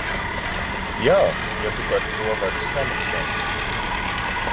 Jā, ja tu par to vari samaksāt.